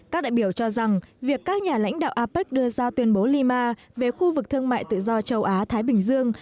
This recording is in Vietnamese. các đại biểu cho rằng việc các nhà lãnh đạo apec đưa ra tuyên bố lima về khu vực thương mại tự do châu á thái bình dương